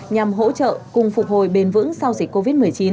nhằm hỗ trợ cùng phục hồi bền vững sau dịch covid một mươi chín